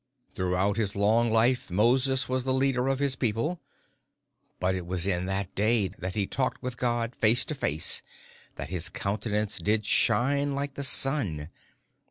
"Throughout his long life Moses was the leader of his people, but it was in that day that he talked with God face to face that his countenance did shine like the sun.